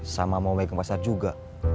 sama mau pegang pasar juga